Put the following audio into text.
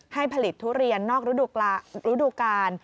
ให้ผลิตทุเรียนนอกฤดูกาล